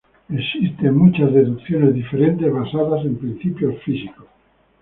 Existen muchas deducciones diferentes basadas en principios físicos.